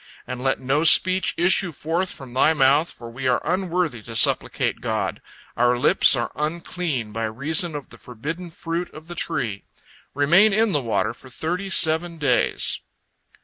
And let no speech issue forth from thy mouth, for we are unworthy to supplicate God, our lips are unclean by reason of the forbidden fruit of the tree. Remain in the water for thirty seven days."